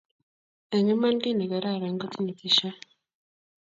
eng' iman kiy ne kararan kotinye tisha